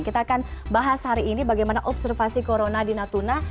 kita akan bahas hari ini bagaimana observasi corona di natuna